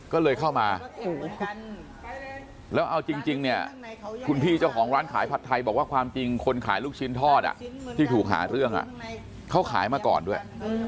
ก็เลยเข้ามาแล้วเอาจริงเนี่ยคุณพี่เจ้าของร้านขายผัดไทยบอกว่าความจริงคนขายลูกชิ้นทอดที่ถูกหาเรื่องเขาขายมาก่อนด้วย